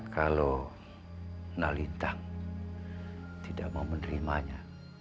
kalau nalita tidak mau menerimanya